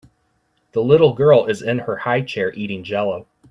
The little girl is in her highchair eating jello.